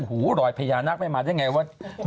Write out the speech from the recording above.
หูรอยพญานาคไม่มาได้ไงว่า